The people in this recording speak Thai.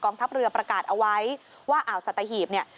ทัพเรือประกาศเอาไว้ว่าอ่าวสัตหีบเนี่ย